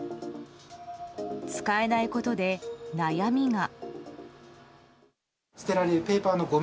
使えないことで悩みが。